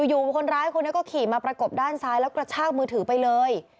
อยู่คนร้ายคนนี้ก็ขี่มาประกบด้านซ้ายแล้วกระชากมือถือไปเลย